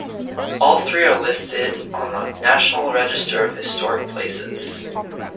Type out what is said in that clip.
All three are listed on the National Register of Historic Places.